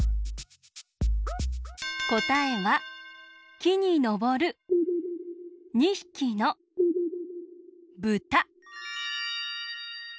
こたえはきにのぼる２ひきのブタ。